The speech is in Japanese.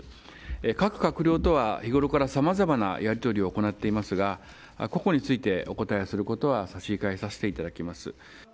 各閣僚とは日頃からさまざまなやり取りを行っていますが、個々についてお答えすることは差し控えさせていただきます。